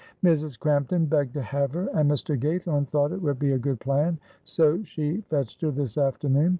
"Mrs. Crampton begged to have her, and Mr. Gaythorne thought it would be a good plan, so she fetched her this afternoon.